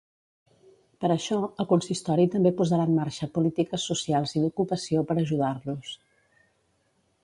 Per això, el consistori també posarà en marxa polítiques socials i d'ocupació per ajudar-los.